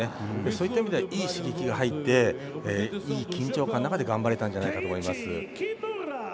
そういった意味ではいい刺激が入っていい緊張感の中で頑張れたんじゃないかと思います。